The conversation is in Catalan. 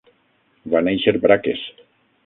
Va néixer Brakes.